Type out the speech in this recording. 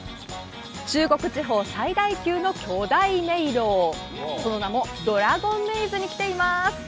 中国地方最大級の巨大迷路、その名もドラゴンメイズに来ています。